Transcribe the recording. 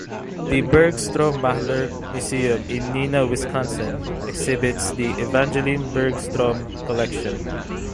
The Bergstrom-Mahler Museum in Neenah, Wisconsin, exhibits the Evangeline Bergstrom collection.